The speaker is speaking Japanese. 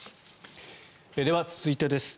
では、続いてです。